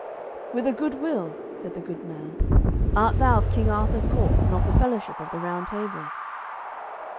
"With a good will," said the good man; "art thou of King Arthur's court, and of the fellowship of the Round Table?"